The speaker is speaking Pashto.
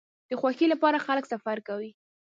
د خوښۍ لپاره خلک سفر کوي.